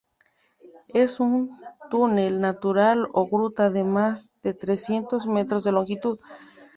Es un túnel natural o gruta de más de trescientos metros de longitud.